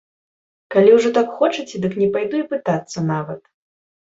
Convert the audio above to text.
Калі ўжо так хочаце, дык не пайду і пытацца нават.